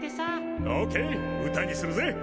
オッケー歌にするぜ。